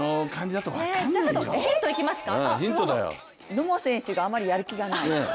野茂選手があまりやる気がない。